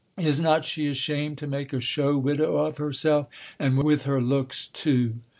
"Is not she ashamed to make a show window of herself and with her looks, too!"